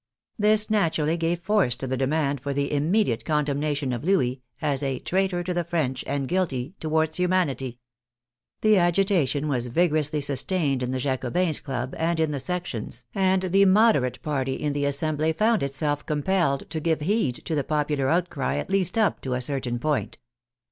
This naturally gave force to the demand for the immediate condemnation of Louis as a " traitor to the French and guilty towards humanity.'* The agitation was vigorously sustained in the Jacobins' club and in the sections, and the " moderate " party in the Assembly found itself com 52 TRIAL AND EXECUTION OF THE KING 53 pelled to give heed to the popular outcry, at least up to a certain point.